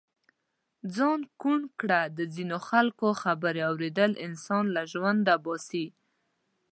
ځان ڪوڼ ڪړه د ځينو خلڪو خبرې اوریدل انسان له ژونده باسي.